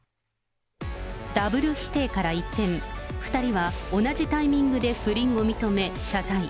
ダブル否定から一転、２人は同じタイミングで不倫を認め、謝罪。